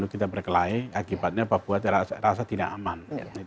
kita berkelahi akibatnya papua rasa tidak aman